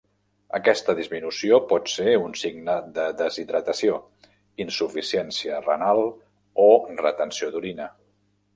Aquesta disminució pot ser un signe de deshidratació, insuficiència renal o retenció d'orina.